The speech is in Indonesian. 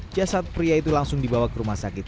jasad pria itu langsung dibawa ke rumah sakit